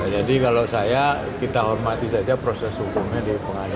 jadi kalau saya kita hormati saja proses hukumnya di pengadilan